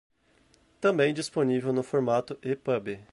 também disponível no formato ePub